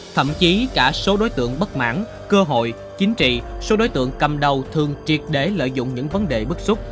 thậm chí cả số đối tượng bất mãn cơ hội chính trị số đối tượng cầm đầu thường triệt để lợi dụng những vấn đề bức xúc